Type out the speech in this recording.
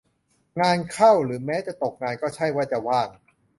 งานเข้า หรือแม้จะตกงานก็ใช่ว่าจะว่าง